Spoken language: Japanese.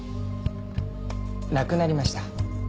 亡くなりました。